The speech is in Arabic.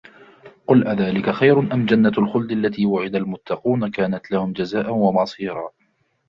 قُلْ أَذَلِكَ خَيْرٌ أَمْ جَنَّةُ الْخُلْدِ الَّتِي وُعِدَ الْمُتَّقُونَ كَانَتْ لَهُمْ جَزَاءً وَمَصِيرًا